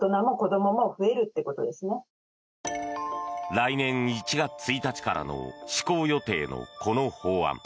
来年１月１日から施行予定のこの法案。